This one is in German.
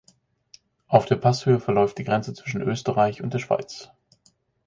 Auf der Passhöhe verläuft die Grenze zwischen Österreich und der Schweiz.